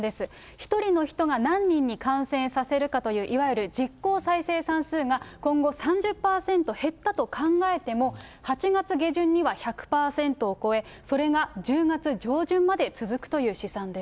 １人の人が何人に感染させるかという、いわゆる実効再生産数が今後、３０％減ったと考えても、８月下旬には１００％を超え、それが１０月上旬まで続くという試算です。